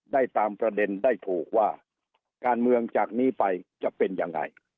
ได้ตามประเด็นได้ถูกว่าการเมืองจากนี้ไปจะเป็นยังไง